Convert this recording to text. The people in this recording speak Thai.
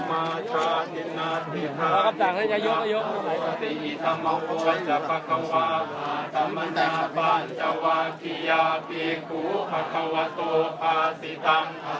มีผู้ที่ได้รับบาดเจ็บและถูกนำตัวส่งโรงพยาบาลเป็นผู้หญิงวัยกลางคน